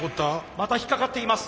また引っ掛かっています。